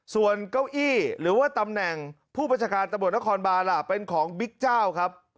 ส่วนเก้าอี้หรือว่าตำแหน่งผู้บัญชาการตำรวจนครบานล่ะเป็นของบิ๊กเจ้าครับ